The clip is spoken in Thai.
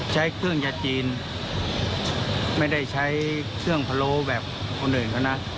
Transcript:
ใช้เครื่องยาจีนไม่ได้ใช้เครื่องพะโล้แบบคนอื่นเขานะ